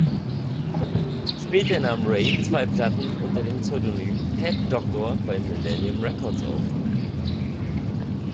Später nahm Ray zwei Platten unter dem Pseudonym „Head Doctor“ bei Millennium Records auf.